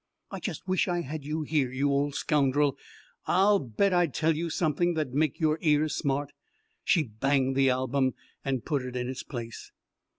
I just wish I had you here, you old scoundrel! I'll bet I'd tell you something that'd make your ears smart." She banged to the album and put it in its place.